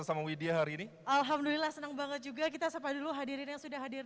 sama widya hari ini alhamdulillah senang banget juga kita sapa dulu hadirin yang sudah hadir